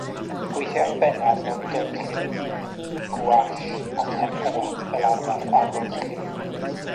Gweithiai'n bennaf mewn dyfrlliw, gouache, a tempera, fel arfer ar fwrdd lliw.